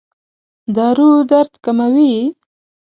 دارو درد کموي؟